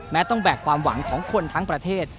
ต้องแบกความหวังของคนทั้งประเทศ